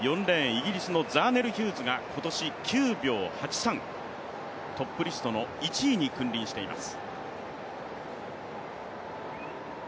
イギリスのザーネル・ヒューズが今年９秒８３、トップリストの１位に君臨しています。